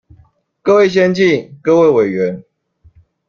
各位先進、各位委員